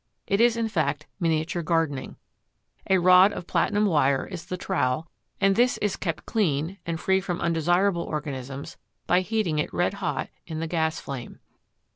It is in fact miniature gardening. A rod of platinum wire is the trowel and this is kept clean and free from undesirable organisms by heating it red hot in the gas flame.